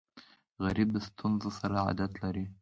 غریب د ستونزو سره عادت لري